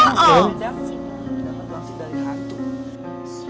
eh dapet wangsit dari hantu